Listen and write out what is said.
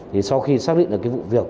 thì sau khi xác định được cái vụ việc